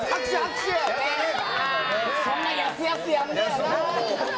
そんなやすやすやらないよね。